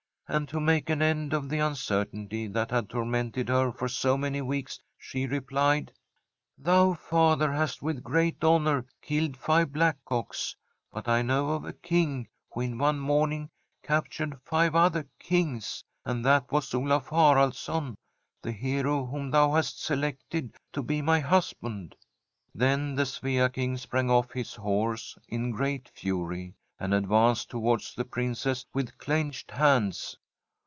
And to make an end of the uncertainty that had tormented her for so many weeks, she replied :'" Thou, father, hast with g^eat honour killed five blackcocks, but I know of a King who in one morning captured five other Kings, and that was Olaf Haraldsson, the hero whom thou hast selected to be my husband." ' Then the Svea King sprang off his horse in [189I M SWEDISH HOMESTEAD great fnnr, and advanced towards the Princess vith cknched hands.